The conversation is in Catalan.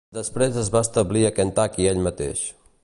Després es va establir a Kentucky ell mateix.